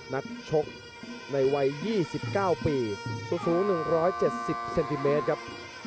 นักชกในวัย๒๙ปีสูง๑๗๐เซนติเมตรครับ